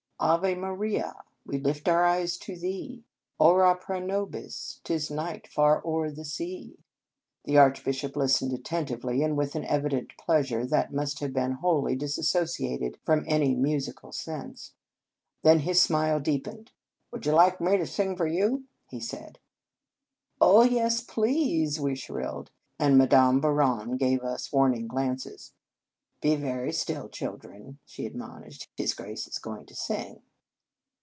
44 Ave Maria, we lift our eyes to thee ; Or a pro nobis ; t is night far o er the sea." The Archbishop listened atten tively, and with an evident pleasure that must have been wholly disasso ciated from any musical sense. Then his smile deepened. " Would you like me to sing for you?" he said. " Oh, yes, if you please," we shrilled ; and Madame Bouron gave us a warn ing glance. " Be very still, children," she admonished. " His Grace is going to sing."